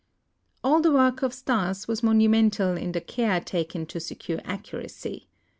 All the work of Stas was monumental in the care taken to secure accuracy.